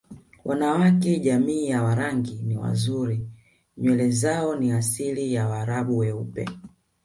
Wanawake jamii ya Warangi ni wazuri nywele zao ni asili ya waraabu weupe